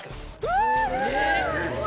うわ。